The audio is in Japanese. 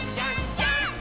ジャンプ！！